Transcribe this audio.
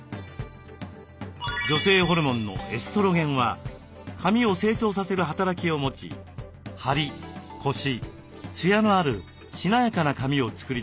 女性ホルモンのエストロゲンは髪を成長させる働きを持ちハリコシツヤのあるしなやかな髪を作り出します。